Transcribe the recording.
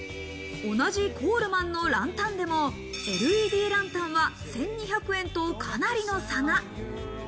同じコールマンのランタンでもＬＥＤランタンは１２００円と、かなりの差が。